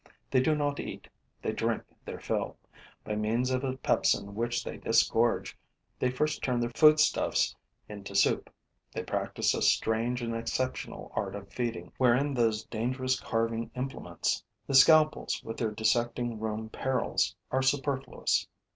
They do not eat: they drink their fill; by means of a pepsin which they disgorge, they first turn their foodstuffs into soup; they practice a strange and exceptional art of feeding, wherein those dangerous carving implements, the scalpels with their dissecting room perils, are superfluous.